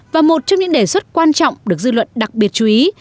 và một trong những đề xuất quan trọng được dư luận đặc biệt chú ý